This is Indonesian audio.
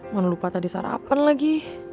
jangan lupa tadi sarapan lagi